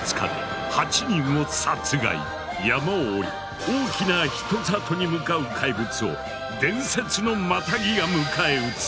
僅か山を下り大きな人里に向かう怪物を伝説のマタギが迎え撃つ。